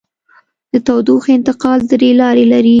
د تودوخې انتقال درې لارې لري.